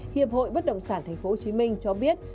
hiệp hội bất động sản tp hcm cho biết